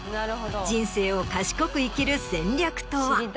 人生を賢く生きる戦略とは？